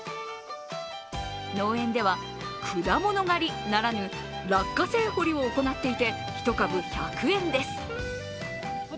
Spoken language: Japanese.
農園では、果物狩りならぬ落花生掘りを行っていて１株１００円です。